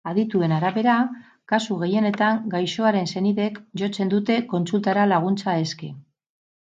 Adituen arabera, kasu gehienetan gaixoaren senideek jotzen dute kontsultara laguntza eske.